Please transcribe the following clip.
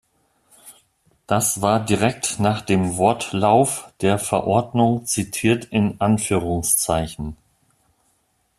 Das war direkt nach dem Wortlauf der Verordnung zitiert in Anführungszeichen.